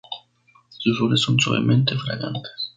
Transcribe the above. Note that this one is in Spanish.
Sus flores son suavemente fragantes.